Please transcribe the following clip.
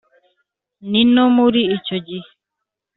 . Ni no muri icyo gihe